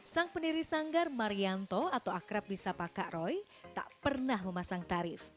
sang pendiri sanggar marianto atau akrab nisapakak roy tak pernah memasang tarif